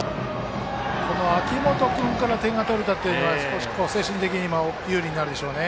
秋本君から点が取れたというのは精神的に有利になるでしょうね。